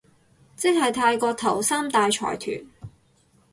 即係泰國頭三大財團